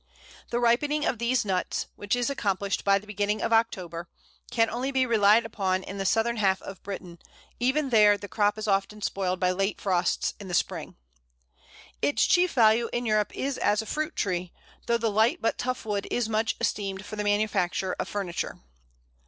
The ripening of these nuts which is accomplished by the beginning of October can only be relied upon in the southern half of Britain, and even there the crop is often spoiled by late frosts in spring. Its chief value in Europe is as a fruit tree, though the light but tough wood is much esteemed for the manufacture of furniture.